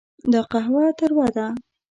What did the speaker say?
دا قهوه تروه ده.